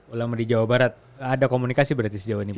ulama di jawa barat ada komunikasi berarti sejauh ini pak